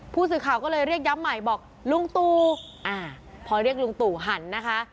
ผู้สื่อข่าวก็เลยเรียกย้ำใหม่บอกลุงตู่อ่าพอเรียกลุงตู่หันนะคะ